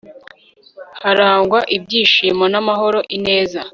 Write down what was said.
harangwa ibyishimo n'amahoro ineza